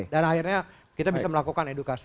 dan akhirnya kita bisa melakukan edukasi